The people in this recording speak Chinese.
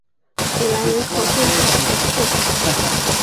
韦南人口变化图示